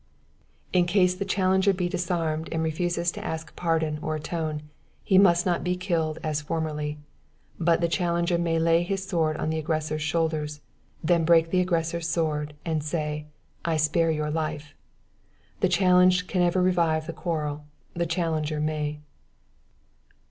"In case the challenged be disarmed and refuses to ask pardon or atone, he must not be killed as formerly; but the challenger may lay his sword on the aggressor's shoulder, than break the aggressor's sword, and say, 'I spare your life!' The challenged can never revive the quarrel, the challenger may.